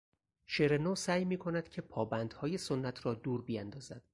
شعر نو سعی میکند که پابندهای سنت را دور بیاندازد.